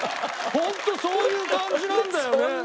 本当そういう感じなんだよね。